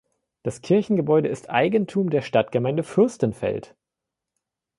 Das Kirchengebäude ist Eigentum der Stadtgemeinde Fürstenfeld.